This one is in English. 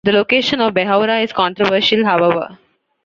The location of Behoura is controversial, however.